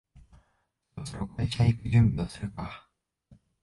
そろそろ会社へ行く準備をするか